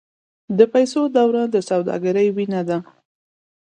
د پیسو دوران د سوداګرۍ وینه ده.